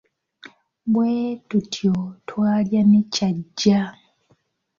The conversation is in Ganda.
Bwe tutyo twalya ne Kyajja.